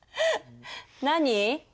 何？